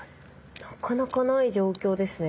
なかなかない状況ですね。